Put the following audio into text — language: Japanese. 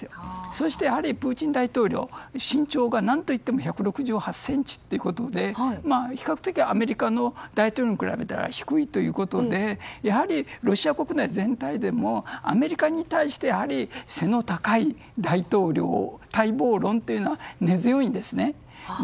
そして、プーチン大統領身長が何と言っても１６８ｃｍということで比較的アメリカの大統領に比べ低いということでやはりロシア国内全体でもアメリカに対して背の高い大統領待望論というのが根強いんですね。